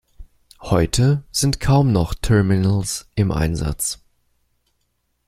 Heute sind kaum noch Terminals im Einsatz.